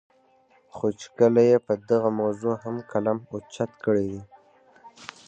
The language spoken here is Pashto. خو چې کله ئې پۀ دغه موضوع هم قلم اوچت کړے دے